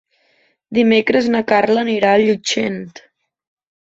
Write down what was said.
Dimecres na Carla anirà a Llutxent.